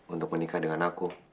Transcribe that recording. untuk menikah dengan aku